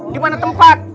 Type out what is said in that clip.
di mana tempat